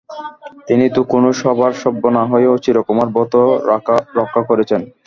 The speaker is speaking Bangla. তিনি তো কোনো সভার সভ্য না হয়েও চিরকুমার ব্রত রক্ষা করেছেন।